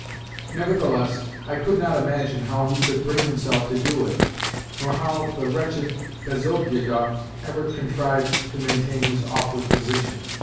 Nevertheless I could not imagine how he could bring himself to do it, nor how the wretched Bezobiedoff ever contrived to maintain his awkward position.